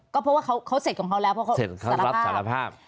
ก็เพราะว่าเขาเสร็จของเขาแล้วเพราะเขารับสารภาพ